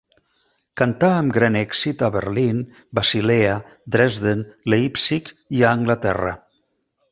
Cantà amb gran èxit a Berlín, Basilea, Dresden, Leipzig i a Anglaterra.